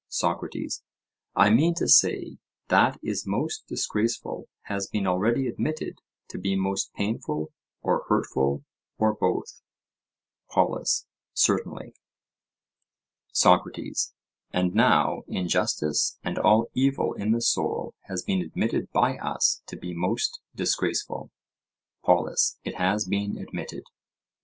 SOCRATES: I mean to say, that is most disgraceful has been already admitted to be most painful or hurtful, or both. POLUS: Certainly. SOCRATES: And now injustice and all evil in the soul has been admitted by us to be most disgraceful? POLUS: It has been admitted.